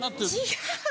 「違う！」。